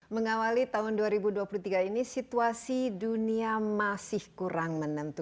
mengawali tahun dua ribu dua puluh tiga ini situasi dunia masih kurang menentu